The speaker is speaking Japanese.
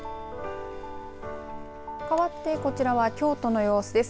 かわってこちらは京都の様子です。